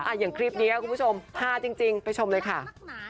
อย่างคลิปนี้คุณผู้ชมฮาจริงไปชมเลยค่ะ